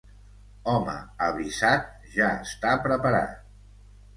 Home avisat ja està preparat.